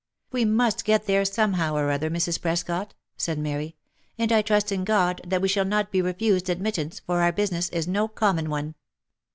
" We must get there, somehow or other, Mrs. Prescot," said Mary ;" and I trust in God that we shall not be refused admittance, for our business is no common one."